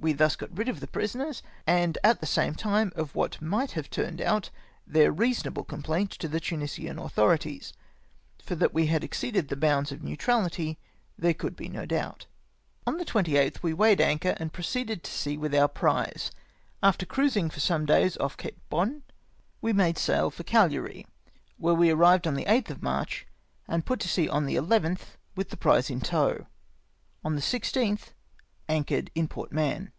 We thus got rid of the prisoners, and at the same time CHASED BY ANOTHER SPANISH FEIGATE. 107 of what might have turned out their reasonable com plaint to the Tunisian authorities, for that we had exceeded the bounds of neutrahty there coidd be no doubt. On the 28th we weighed anchor, and proceeded to sea with our prize. After cruising for some days off Cape Bon we made sail for Caghari, where we arrived on the 8th of March, and put to sea on the 11th with the prize in tow. On the 16th, anchored in Port Mahon.